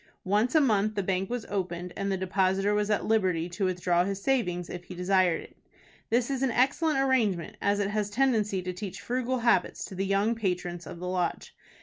Once a month the bank was opened, and the depositor was at liberty to withdraw his savings if he desired it. This is an excellent arrangement, as it has a tendency to teach frugal habits to the young patrons of the Lodge.